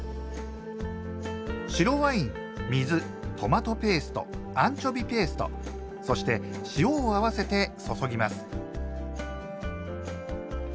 白ワイン水トマトペーストアンチョビペーストそして塩を合わせて注ぎます。